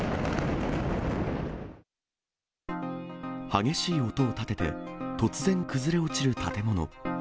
激しい音を立てて、突然崩れ落ちる建物。